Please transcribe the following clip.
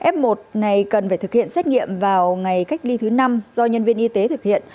f một này cần phải thực hiện xét nghiệm vào ngày cách ly thứ năm do nhân viên y tế thực hiện